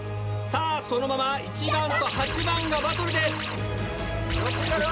そのまま１番と８番がバトルです。